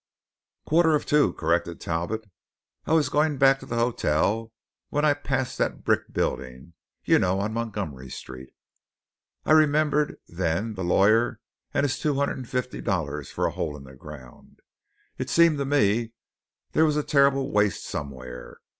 "Quarter of two," corrected Talbot, "I was going back to the hotel, when I passed that brick building you know, on Montgomery Street. I remembered then that lawyer and his two hundred and fifty dollars for a hole in the ground. It seemed to me there was a terrible waste somewhere.